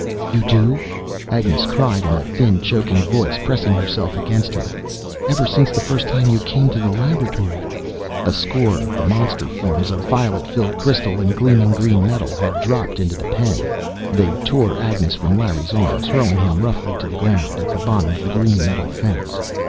"You do?" Agnes cried, in a thin, choking voice, pressing herself against him. "Ever since the first time you came to the laboratory " A score of the monster forms of violet filled crystal and gleaming green metal had dropped into the pen. They tore Agnes from Larry's arms, hurling him roughly to the ground, at the bottom of the green metal fence.